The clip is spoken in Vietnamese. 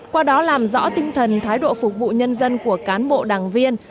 qua đó làm rõ tinh thần thái độ phục vụ nhân dân của cán bộ đảng viên